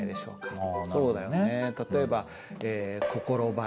そうだよね。